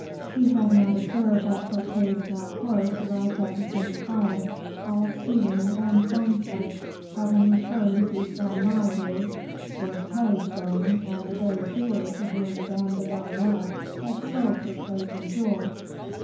She had not observed that Fouquet's black horse arrived at the same time, all steaming and foam flaked, having returned to Saint Mande with Pelisson and the very jeweler to whom Madame de Belliere had sold her plate and her jewels.